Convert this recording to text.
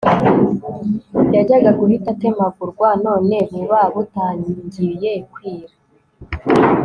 yajyaga guhita atemagurwa Noneho buba butangiye kwira